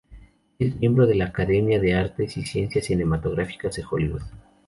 Es miembro de la Academia de Artes y Ciencias Cinematográficas de Hollywood.